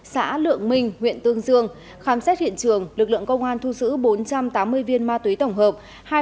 xã lượng minh huyện tương dương khám xét hiện trường lực lượng công an thu giữ bốn trăm tám mươi viên ma túy tổng hợp